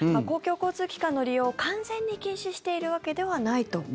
公共交通機関の利用を完全に禁止しているわけではないと。